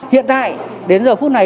hiện tại đến giờ phút này